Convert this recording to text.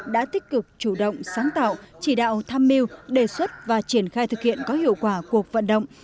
đã tích cực chủ động sáng tạo chỉ đạo tham mưu đề xuất và triển khai thực hiện có hiệu quả cuộc vận động